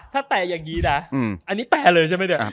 ถ้าแต่อย่างงี้นะอืมอันนี้แปลเลยใช่ไหมเดี๋ยวอ่า